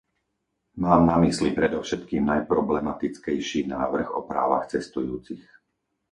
Mám na mysli predovšetkým najproblematickejší návrh o právach cestujúcich.